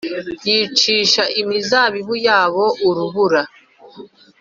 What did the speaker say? Yicisha imizabibu yabo urubura